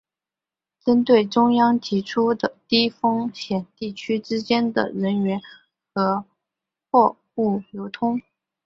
针对中央提出的低风险地区之间的人员和货物流动